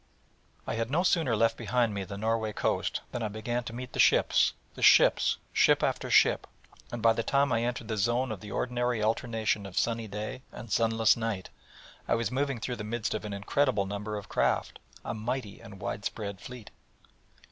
I had no sooner left behind me the Norway coast than I began to meet the ships, the ships ship after ship; and by the time I entered the zone of the ordinary alternation of sunny day and sunless night, I was moving through the midst of an incredible number of craft, a mighty and wide spread fleet.